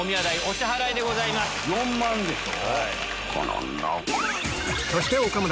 ４万でしょ。